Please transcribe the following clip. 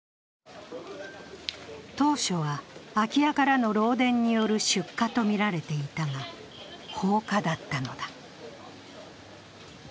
当初は、空き家からの漏電による出火とみられていたが放火だったのだ。